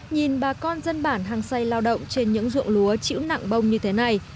nhìn bà con dân bản hàng xây lao động trên những ruộng lúa chữ nặng bông như thế này